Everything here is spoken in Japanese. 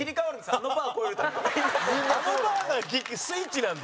あのバーがスイッチなんだ。